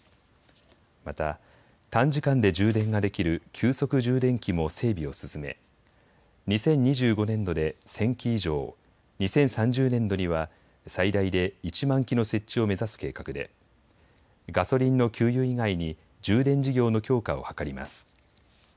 また短時間で充電ができる急速充電器も整備を進め２０２５年度で１０００基以上、２０３０年度には最大で１万基の設置を目指す計画でガソリンの給油以外に充電事業の強化を図ります。